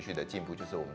kita akan terus berkembang